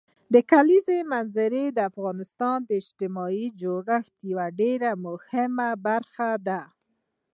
د کلیزو منظره د افغانستان د اجتماعي جوړښت یوه ډېره مهمه برخه ده.